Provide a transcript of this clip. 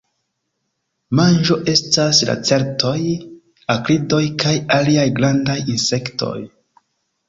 Manĝo estas lacertoj, akridoj kaj aliaj grandaj insektoj.